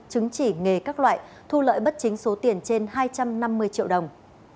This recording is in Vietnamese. chứng chỉ nghề các loại thu lợi bất chính số tiền trên hai trăm năm mươi triệu đồng